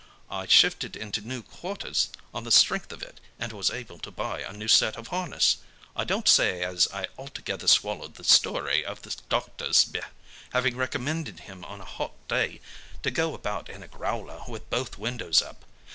I shifted into new quarters on the strength of it, and was able to buy a new set of harness. I don't say as I altogether swallowed the story of the doctors having recommended him on a hot day to go about in a growler with both windows up.